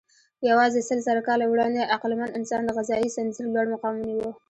یواځې سلزره کاله وړاندې عقلمن انسان د غذایي ځنځير لوړ مقام ونیو.